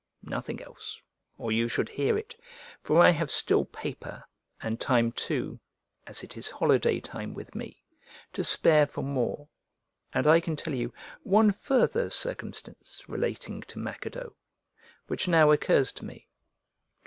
Nothing else, or you should hear it, for I have still paper, and time too (as it is holiday time with me) to spare for more, and I can tell you one further circumstance relating to Macedo, which now occurs to me.